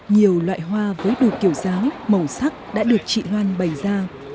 nhiều loại hoa với đủ kiểu dáng màu sắc đã được chị loan bày ra